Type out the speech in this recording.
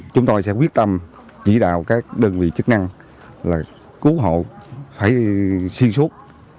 chúng tôi sẽ quyết tâm chỉ đạo các đơn vị chức năng là cứu hộ phải xuyên suốt